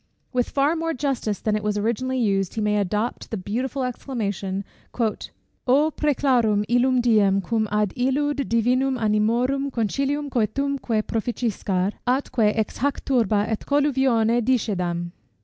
With far more justice than it was originally used, he may adopt the beautiful exclamation "O præclarum illum diem, cum ad illud divinum animorum concilium coetumque proficiscar, atque ex hac turba et colluvione discedam!"